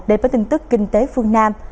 để với tin tức kinh tế phương nam